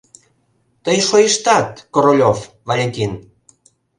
Тый шойыштат, Королёв, Валентин?